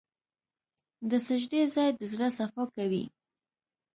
د سجدې ځای د زړه صفا کوي.